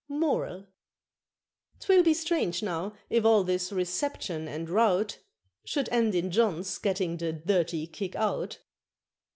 MORAL. 'Twill be strange now if all this "reception" and rout Should end in John's getting the "dirty kick out."